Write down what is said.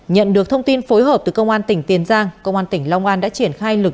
nhận được thông tin phối hợp từ công an tỉnh tiền giang công an tỉnh long an đã triển khai lực lượng